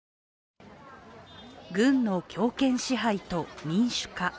軍の強権支配と民主化。